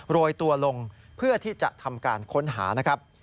โรยตัวลงเพื่อที่จะทำการค้นหานะครับ